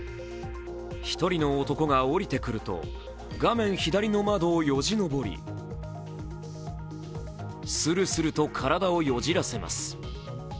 １人の男が降りてくると画面左の窓をよじ登りスルスルと体をよじらせます。